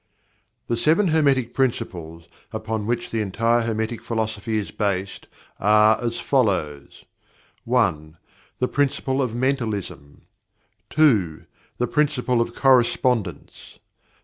The Seven Hermetic Principles, upon which the entire Hermetic Philosophy is based, are as follows: 1. The Principle of Mentalism. 2. The Principle of Correspondence.